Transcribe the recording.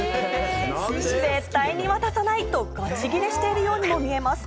絶対に渡さないとガチギレしているようにも見えます。